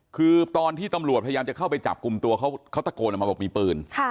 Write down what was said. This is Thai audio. คือตอนที่ตำรวจพยายามจะเข้าไปจับกลุ่มตัวเขาเขาตะโกนออกมาบอกมีปืน